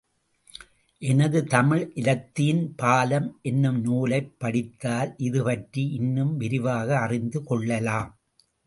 எனது தமிழ் இலத்தீன் பாலம் என்னும் நூலைப் படித்தால் இது பற்றி இன்னும், விரிவாக அறிந்து கொள்ளலாம்.